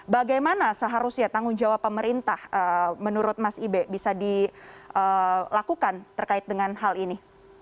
bagaimana seharusnya tanggung jawab pemerintah menurut mas ibe bisa dilakukan terkait dengan hal ini